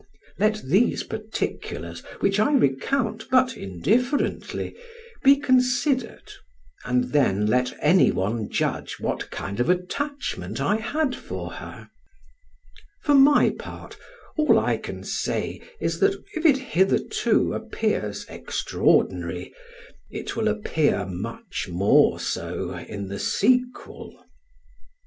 Let these particulars, which I recount but indifferently, be considered, and then let any one judge what kind of attachment I had for her: for my part, all I can say, is, that if it hitherto appears extraordinary, it will appear much more so in the sequel.